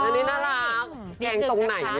นี่น่ารักแกงตรงไหน